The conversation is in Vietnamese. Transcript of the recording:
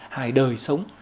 hài đời sống